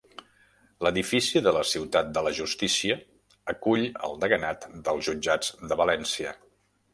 L'edifici de la Ciutat de la Justícia acull el deganat dels jutjats de València.